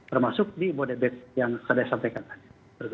termasuk di bodebek yang saya sampaikan tadi